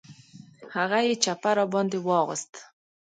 هغه یې چپه را باندې واغوست.